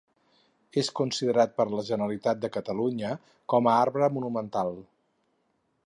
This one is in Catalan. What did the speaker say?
És considerat per la Generalitat de Catalunya com a Arbre Monumental.